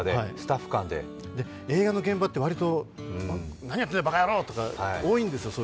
映画の現場って割と何やってんだばかやろー、とか多いんですよ